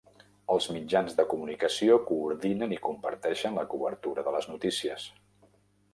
Els mitjans de comunicació coordinen i comparteixen la cobertura de les notícies.